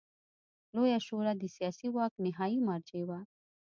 لویه شورا د سیاسي واک نهايي مرجع وه.